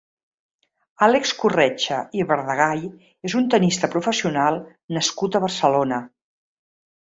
Àlex Corretja i Verdegay és un tennista professional nascut a Barcelona.